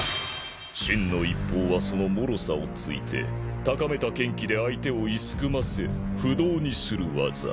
「心の一方」はそのもろさをついて高めた剣気で相手を居すくませ不動にする技。